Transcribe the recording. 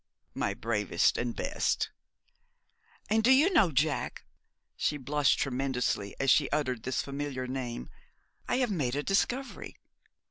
'My bravest and best.' 'And do you know, Jack' she blushed tremendously as she uttered this familiar name 'I have made a discovery!'